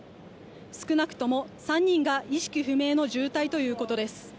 少なくとも３人が意識不明の重体ということです。